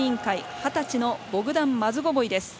二十歳のボグダン・マズゴボイ。